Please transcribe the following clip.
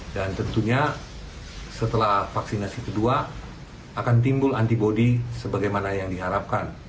tentunya setelah vaksinasi kedua akan timbul antibody sebagaimana yang diharapkan